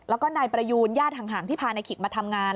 แล้วก็นายประยูนญาติห่างที่พานายขิกมาทำงาน